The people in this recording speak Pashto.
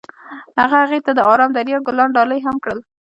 هغه هغې ته د آرام دریا ګلان ډالۍ هم کړل.